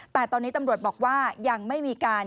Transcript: แต่ตอนนี้ตำรวจบอกว่ายังไม่มีการ